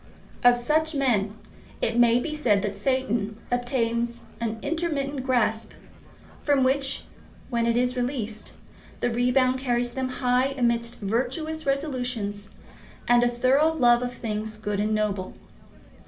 Of such men it may be said that Satan obtains an intermittent grasp, from which, when it is released, the rebound carries them high amidst virtuous resolutions and a thorough love of things good and noble.